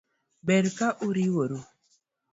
Ber ka uriuru